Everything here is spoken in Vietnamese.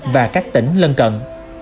và các tỉnh lân cận